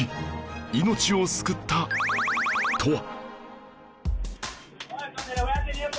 命を救ったとは？